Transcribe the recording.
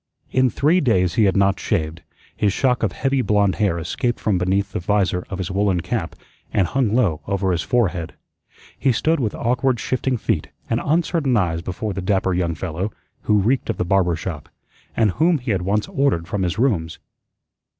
In three days he had not shaved; his shock of heavy blond hair escaped from beneath the visor of his woollen cap and hung low over his forehead. He stood with awkward, shifting feet and uncertain eyes before the dapper young fellow who reeked of the barber shop, and whom he had once ordered from his rooms.